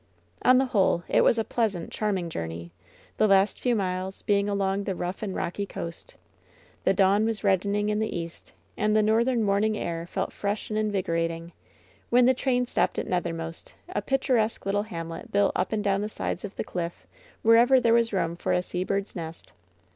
On the whole, it was a pleasant, charming journey, the last few miles being along the rough and rocky coast. The dawn was reddening in the east, and the northern morning air felt fresh and invigorating, when the train stopped at Nethermost, a picturesque little hamlet built up and down the sides of the cliff wherever there was room for a sea bird's nest.